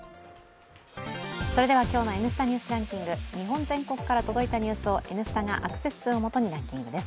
それでは、今日の「Ｎスタ・ニュースランキング」、日本全国から届いたニュースを「Ｎスタ」がアクセス数をもとにランキングです。